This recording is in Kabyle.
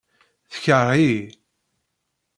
Tekreḥ-iyi?